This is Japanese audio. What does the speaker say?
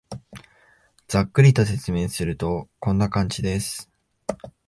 ざっくりと説明すると、こんな感じです